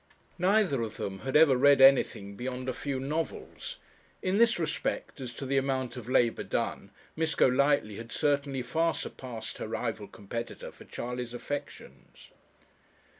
Neither of them had ever read anything beyond a few novels. In this respect, as to the amount of labour done, Miss Golightly had certainly far surpassed her rival competitor for Charley's affections.